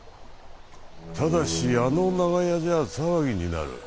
ただしあの長屋じゃあ騒ぎになる。